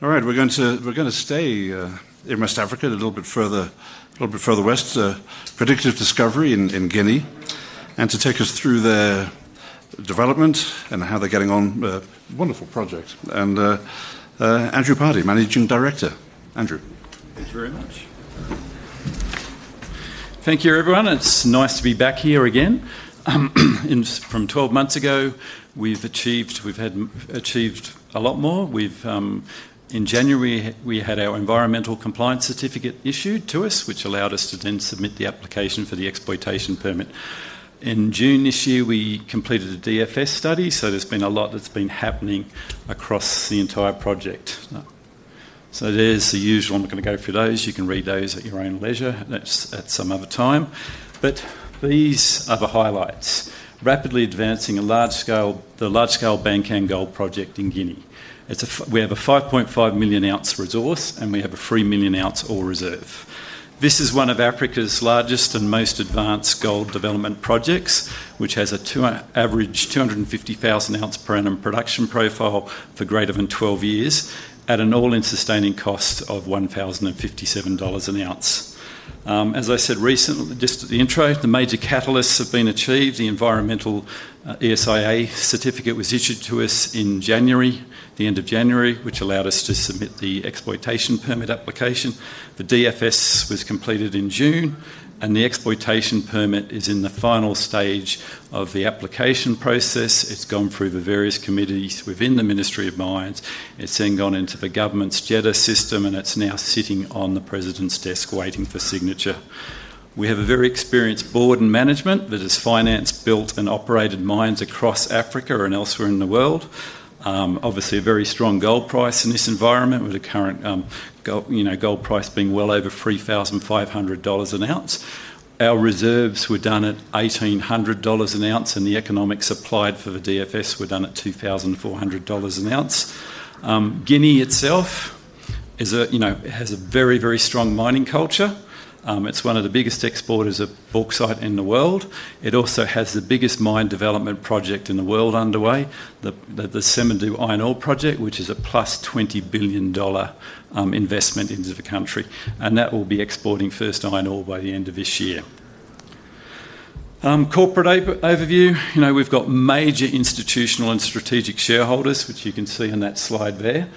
All right, we're going to stay in West Africa, a little bit further, a little bit further west. Predictive Discovery in Guinea, to take us through their development and how they're getting on. Wonderful project. Andrew Pardey, Managing Director. Andrew. Thank you very much. Thank you, everyone. It's nice to be back here again. From 12 months ago, we've achieved, we've had achieved a lot more. In January, we had our environmental compliance certificate issued to us, which allowed us to then submit the application for the exploitation permit. In June this year, we completed a definitive feasibility study. There's been a lot that's been happening across the entire project. There's the usual. I'm not going to go through those. You can read those at your own leisure at some other time. These are the highlights. Rapidly advancing a large scale, the large scale Bankan Gold Project in Guinea. We have a 5.5 million oz resource and we have a 3 million oz ore reserve. This is one of Africa's largest and most advanced gold development projects, which has an average 250,000 oz per annum production profile for greater than 12 years at an all-in sustaining cost of $1,057/oz. As I said recently, just at the intro, the major catalysts have been achieved. The environmental and social impact assessment certificate was issued to us in January, the end of January, which allowed us to submit the exploitation permit application. The DFS was completed in June and the exploitation permit is in the final stage of the application process. It's gone through the various committees within the Ministry of Mines. It's then gone into the government's [JEDA] system and it's now sitting on the President's desk waiting for signature. We have a very experienced board and management that has financed, built, and operated mines across Africa and elsewhere in the world. Obviously, a very strong gold price in this environment with the current gold price being well over $3,500/oz. Our reserves were done at $1,800/oz and the economics applied for the definitive feasibility study were done at $2,400/oz. Guinea itself is a, you know, has a very, very strong mining culture. It's one of the biggest exporters of bauxite in the world. It also has the biggest mine development project in the world underway, the Simandou Iron Ore Project, which is a +$20 billion investment into the country. That will be exporting first iron ore by the end of this year. Corporate overview. We've got major institutional and strategic shareholders, which you can see in that slide there.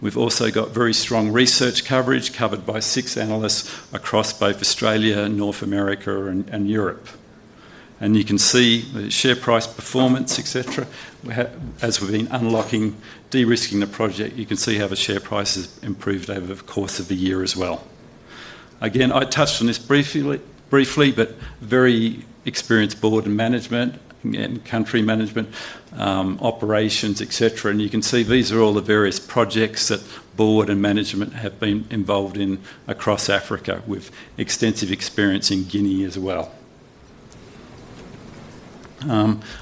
We've also got very strong research coverage covered by six analysts across both Australia, North America, and Europe. You can see the share price performance, etc. As we've been unlocking, de-risking the project, you can see how the share price has improved over the course of the year as well. Again, I touched on this briefly, but very experienced board and management and country management operations, etc. You can see these are all the various projects that board and management have been involved in across Africa with extensive experience in Guinea as well.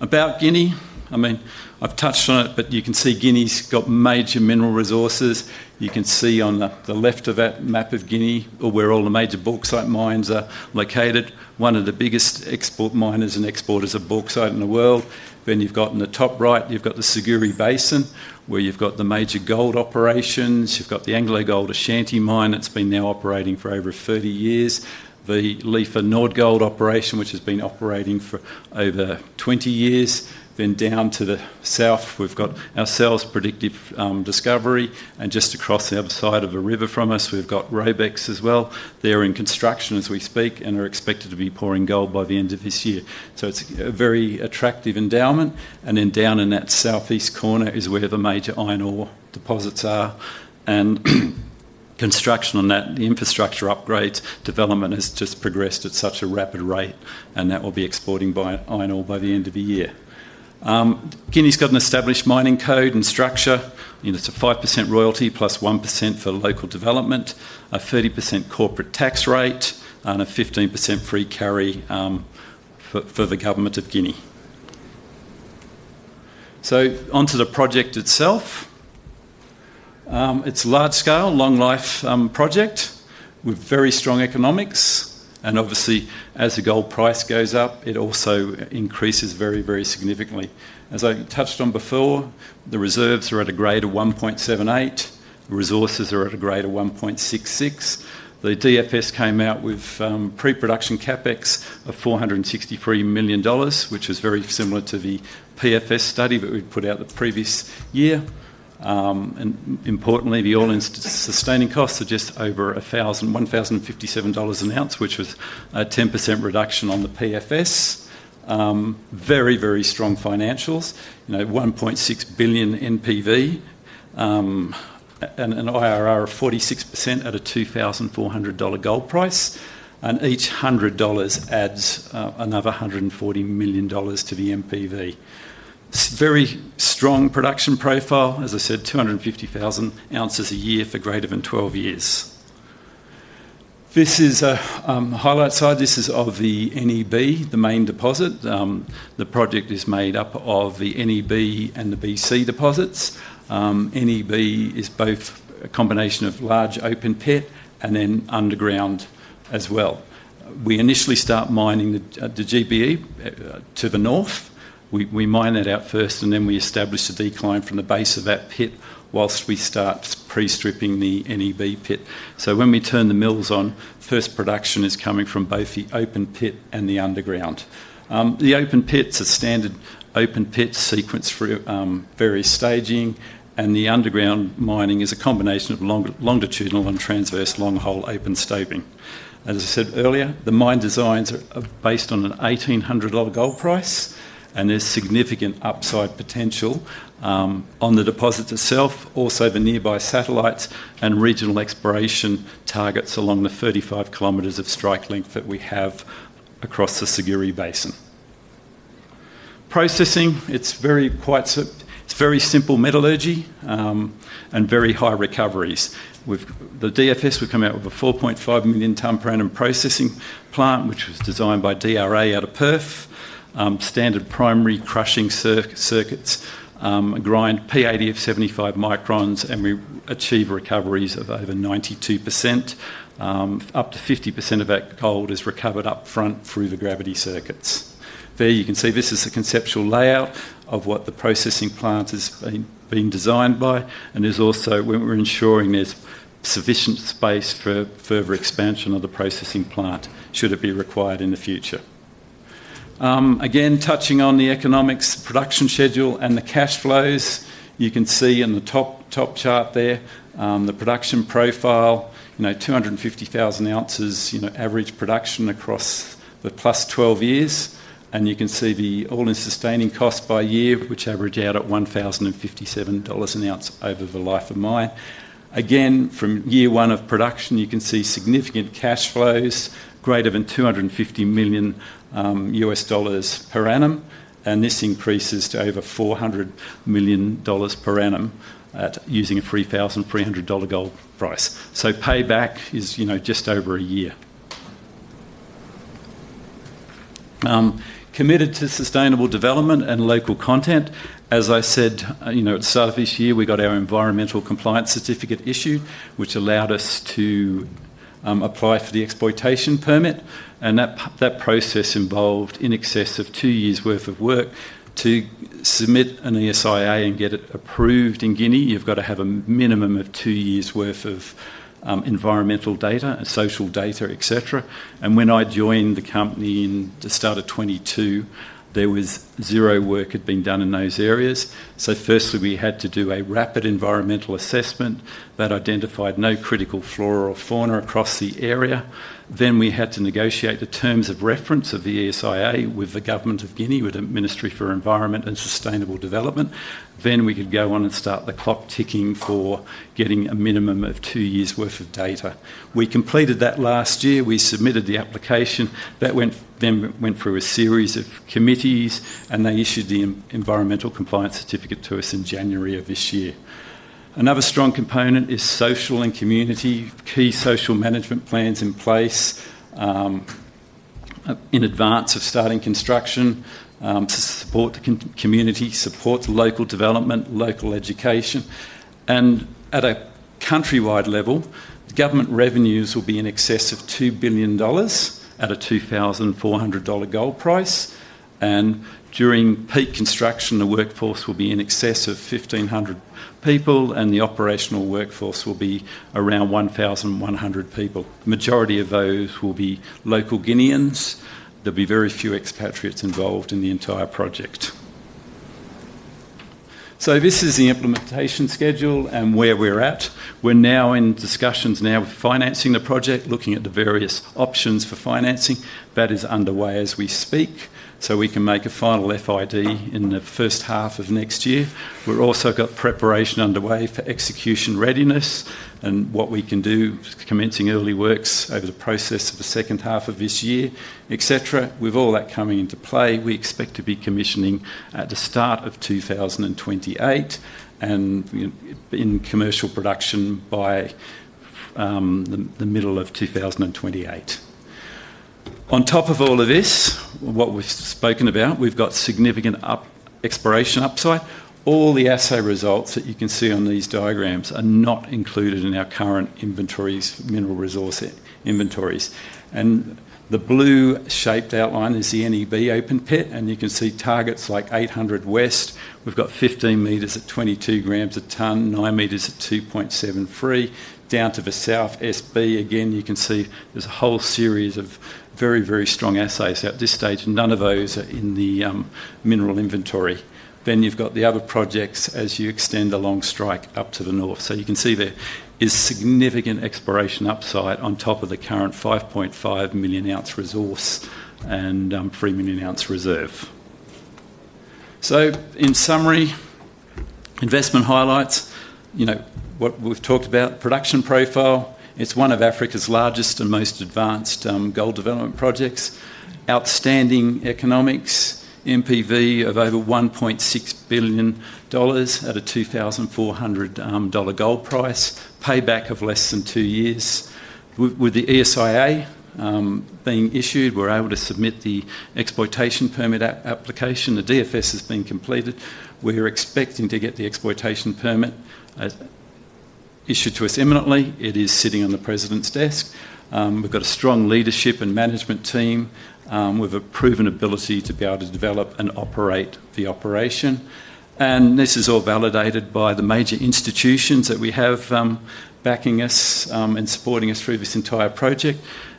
About Guinea, I mean, I've touched on it, but you can see Guinea's got major mineral resources. You can see on the left of that map of Guinea where all the major bauxite mines are located. One of the biggest miners and exporters of bauxite in the world. In the top right, you've got the Siguiri Basin where you've got the major gold operations. You've got the AngloGold Ashanti Mine that's been now operating for over 30 years. The Lefa NordGold operation, which has been operating for over 20 years. Down to the south, we've got ourselves, Predictive Discovery, and just across the other side of the river from us, we've got Robex as well. They're in construction as we speak and are expected to be pouring gold by the end of this year. It's a very attractive endowment. Down in that southeast corner is where the major iron ore deposits are. Construction on that, the infrastructure upgrades, development has just progressed at such a rapid rate. That will be exporting iron ore by the end of the year. Guinea's got an established mining code and structure. It's a 5% royalty plus 1% for local development, a 30% corporate tax rate, and a 15% free carry for the government of Guinea. Onto the project itself. It's a large-scale, long-life project with very strong economics. Obviously, as the gold price goes up, it also increases very, very significantly. As I touched on before, the reserves are at a grade of 1.78. The resources are at a grade of 1.66. The DFS came out with pre-production CapEx of $463 million, which is very similar to the PFS study that we put out the previous year. Importantly, the all-in sustaining costs are just over $1,057/oz, which was a 10% reduction on the PFS. Very, very strong financials. $1.6 billion NPV and an IRR of 46% at a $2,400 gold price. Each $100 adds another $140 million to the NPV. Very strong production profile, as I said, 250,000 oz a year for greater than 12 years. This is a highlight slide. This is of the NEB, the main deposit. The project is made up of the NEB and the BC deposits. NEB is both a combination of large open pit and then underground as well. We initially start mining the GBE to the north. We mine that out first, and then we establish a decline from the base of that pit whilst we start pre-stripping the NEB pit. When we turn the mills on, first production is coming from both the open pit and the underground. The open pits are standard open pit sequence for various staging. The underground mining is a combination of longitudinal and transverse long hole open stoping. As I said earlier, the mine designs are based on an $1,800 gold price. There is significant upside potential on the deposit itself. Also, the nearby satellites and regional exploration targets along the 35 km of strike length that we have across the Siguiri Basin. Processing, it's very simple metallurgy and very high recoveries. The definitive feasibility study will come out with a 4.5 million ton per annum processing plant, which was designed by DRA out of Perth. Standard primary crushing circuits grind P80 of 75 microns, and we achieve recoveries of over 92%. Up to 50% of that gold is recovered up front through the gravity circuits. There, you can see this is the conceptual layout of what the processing plant has been designed by. There is also, when we're ensuring there's sufficient space for further expansion of the processing plant should it be required in the future. Again, touching on the economics, production schedule, and the cash flows, you can see in the top chart there the production profile, 250,000 oz average production across the +12 years. You can see the all-in sustaining costs by year, which average out at $1,057/oz over the life of mine. From year one of production, you can see significant cash flows, greater than $250 million U.S. dollars per annum. This increases to over $400 million per annum at using a $3,300 gold price. Payback is just over a year. Committed to sustainable development and local content. As I said, at the start of this year, we got our environmental compliance certificate issued, which allowed us to apply for the exploitation permit. That process involved in excess of two years' worth of work to submit an environmental and social impact assessment and get it approved in Guinea. You've got to have a minimum of two years' worth of environmental data and social data, etc. When I joined the company at the start of 2022, there was zero work that had been done in those areas. Firstly, we had to do a rapid environmental assessment that identified no critical flora or fauna across the area. We had to negotiate the terms of reference of the ESIA with the government of Guinea, with the Ministry for Environment and Sustainable Development. We could go on and start the clock ticking for getting a minimum of two years' worth of data. We completed that last year. We submitted the application. That then went through a series of committees, and they issued the environmental compliance certificate to us in January of this year. Another strong component is social and community. Key social management plans are in place in advance of starting construction to support the community, support local development, and local education. At a countrywide level, the government revenues will be in excess of $2 billion at a $2,400 gold price. During peak construction, the workforce will be in excess of 1,500 people, and the operational workforce will be around 1,100 people. The majority of those will be local Guineans. There will be very few expatriates involved in the entire project. This is the implementation schedule and where we're at. We are now in discussions regarding financing the project, looking at the various options for financing. That is underway as we speak. We can make a final FID in the first half of next year. We've also got preparation underway for execution readiness and what we can do, commencing early works over the process of the second half of this year, etc. With all that coming into play, we expect to be commissioning at the start of 2028 and in commercial production by the middle of 2028. On top of all of this, what we've spoken about, we've got significant exploration upside. All the assay results that you can see on these diagrams are not included in our current mineral resource inventories. The blue shaped outline is the NEB open pit, and you can see targets like 800 West. We've got 15 m at 22 g/ton, 9 m at 2.73 g. Down to the south, SB, again, you can see there's a whole series of very, very strong assays. At this stage, none of those are in the mineral inventory. You have the other projects as you extend along strike up to the north. You can see there is significant exploration upside on top of the current 5.5 million oz resource and 3 million oz reserve. In summary, investment highlights, you know, what we've talked about, production profile. It's one of Africa's largest and most advanced gold development projects. Outstanding economics, NPV of over $1.6 billion at a $2,400 gold price, payback of less than two years. With the ESIA being issued, we're able to submit the exploitation permit application. The DFS has been completed. We're expecting to get the exploitation permit issued to us imminently. It is sitting on the President's desk. We've got a strong leadership and management team with a proven ability to be able to develop and operate the operation. This is all validated by the major institutions that we have backing us and supporting us through this entire project.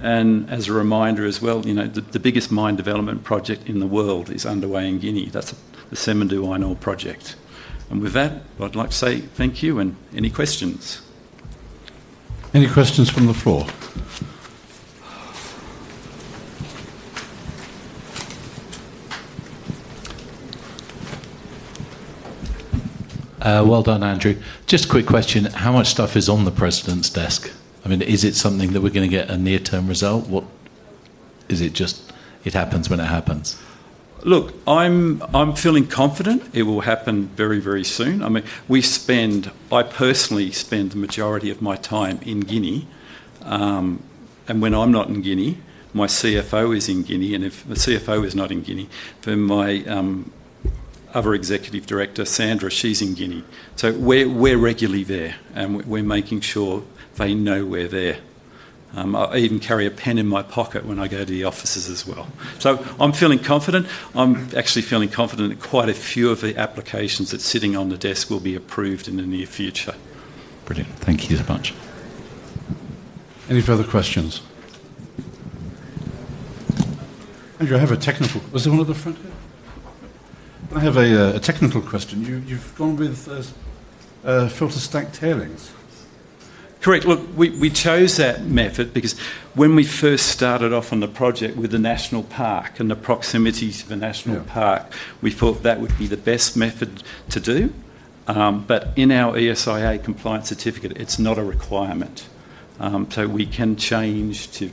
As a reminder as well, you know, the biggest mine development project in the world is underway in Guinea. That's the Simandou Iron Ore Project. With that, I'd like to say thank you and any questions. Any questions from the floor? Well done, Andrew. Just a quick question. How much stuff is on the President's desk? I mean, is it something that we're going to get a near-term result? Is it just it happens when it happens? Look, I'm feeling confident it will happen very, very soon. I mean, we spend, I personally spend the majority of my time in Guinea. When I'm not in Guinea, my CFO is in Guinea. If the CFO is not in Guinea, then my other Executive Director, Sandra, she's in Guinea. We're regularly there, and we're making sure they know we're there. I even carry a pen in my pocket when I go to the offices as well. I'm feeling confident. I'm actually feeling confident that quite a few of the applications that are sitting on the desk will be approved in the near future. Brilliant. Thank you so much. Any further questions? Andrew, I have a technical question. You've gone with filtered stack tailings. Correct. Look, we chose that method because when we first started off on the project with the National Park and the proximities to the National Park, we thought that would be the best method to do. In our ESIA compliance certificate, it's not a requirement, so we can change to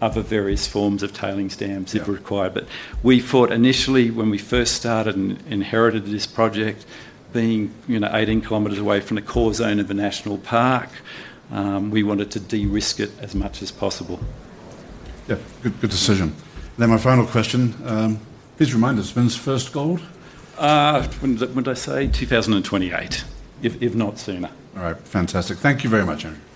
other various forms of tailings stacks if required. We thought initially when we first started and inherited this project, being 18 km away from the core zone of the National Park, we wanted to de-risk it as much as possible. Yeah, good decision. Now my final question, please remind us when's the first gold? When did I say? 2028, if not sooner. All right, fantastic. Thank you very much, Andrew. Thank you.